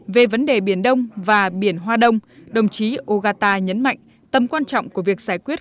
về vấn đề biển đông và biển hoa đông đồng chí ogata nhấn mạnh tầm quan trọng của việc giải quyết